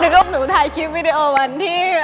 แล้วก็หนูถ่ายคลิปวิดีโอวันที่